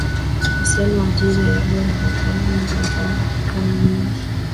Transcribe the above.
uhusiano wa Algeria na Dola la Roma lililoitawala kwa karne nyingi